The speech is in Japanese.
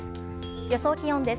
予想気温です。